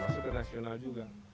masuk ke nasional juga